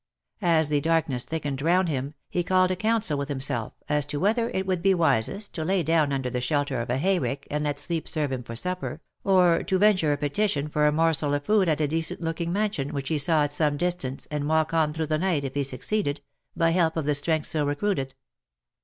As the darkness thickened round him, he called a counsel with him self, as to whether it would be wisest to lay down under the shelter of a hay rick, and let sleep serve him for supper, or to venture a petition for a morsel of food at a decent looking mansion which he saw at some distance, and walk on through the night, if he succeeded, by help of the strength so recruited.